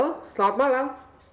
halo selamat malam